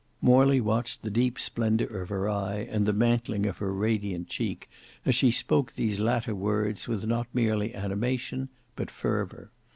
Morley watched the deep splendour of her eye and the mantling of her radiant cheek, as she spoke these latter words with not merely animation but fervour.